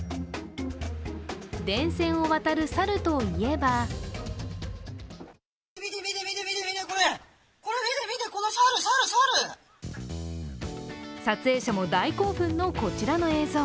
電線を渡る猿といえば撮影者も大興奮のこちらの映像。